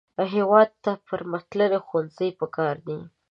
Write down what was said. هېواد ته پرمختللي ښوونځي پکار دي